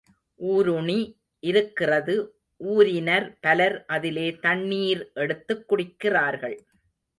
ஊருணி இருக்கிறது ஊரினர் பலர் அதிலே தண்ணீர் எடுத்துக் குடிக்கிறார்கள்.